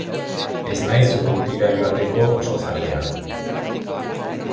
Ez naiz urrutira joateko oso zalea.